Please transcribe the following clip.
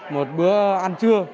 một bữa ăn trưa